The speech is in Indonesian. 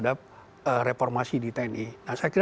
saya ingin menunjukkan bahwa ini adalah pernyataan khas untuk mereka